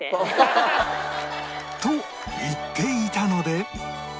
と言っていたので